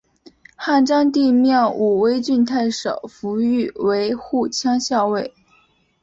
汉章帝命武威郡太守傅育为护羌校尉。